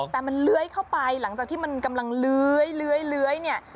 แต่มันเลื้อยเข้าไปหลังจากที่มันกำลังเลื้อยเนี่ย